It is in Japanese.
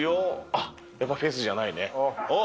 あっ、やっぱフェスじゃないね。